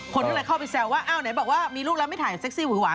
คนข้างในเข้าไปแซวว่าอ้าวไหนบอกว่ามีรูปแล้วไม่ถ่ายเซ็กซี่หรือหวาน